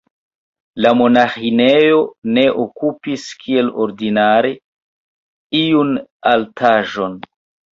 La monaĥinejo ne okupis, kiel ordinare, iun altaĵon.